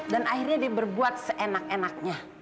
dan akhirnya dia berbuat seenak enaknya